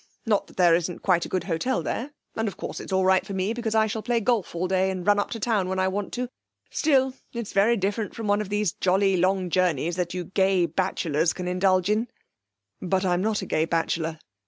Not that there isn't quite a good hotel there, and of course it's all right for me, because I shall play golf all day and run up to town when I want to. Still, it's very different from one of these jolly long journeys that you gay bachelors can indulge in.' 'But I'm not a gay bachelor.